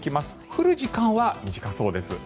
降る時間は短そうです。